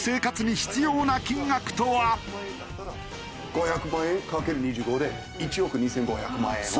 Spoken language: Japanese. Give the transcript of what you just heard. ５００万円掛ける２５で１億２５００万円を。